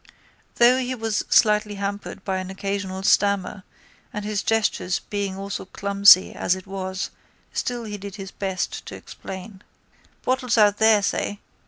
Though he was slightly hampered by an occasional stammer and his gestures being also clumsy as it was still he did his best to explain. —Bottles out there, say.